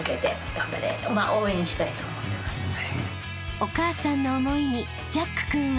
［お母さんの思いにジャック君は］